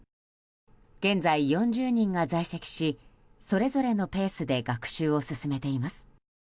現在４０人が在籍しそれぞれのペースで学習を進めています。